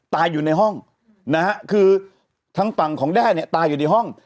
ตายอยู่ในห้องนะฮะคือทางฝั่งของแด้เนี่ยตายอยู่ในห้อง